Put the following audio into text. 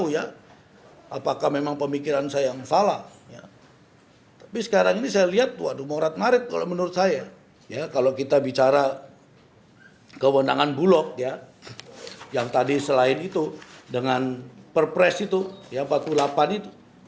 yang tadi selain itu dengan perpres itu yang empat puluh delapan itu